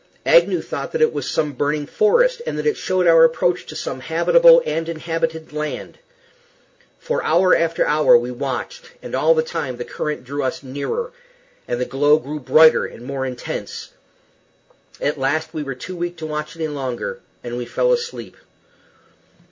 Agnew thought that it was some burning forest, and that it showed our approach to some habitable and inhabited land. For hour after hour we watched, and all the time the current drew us nearer, and the glow grew brighter and more intense. At last we were too weak to watch any longer, and we fell asleep.